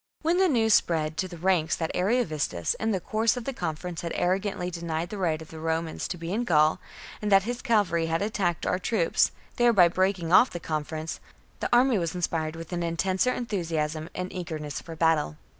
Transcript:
When the news spread to the ranks that Ariovistus, in the course of the conference, had arrogantly denied the right of the Romans to be in Gaul, and that his cavalry had attacked our troops, thereby breaking off the conference, the a,rmy was inspired with an intenser enthu siasm and eagerness for battle.